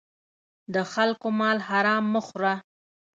د خلکو مال حرام مه خوره.